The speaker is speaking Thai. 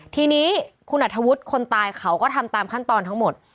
ทีนี้คุณอัธวุฒิคนตายเขาก็ทำตามขั้นตอนทั้งหมด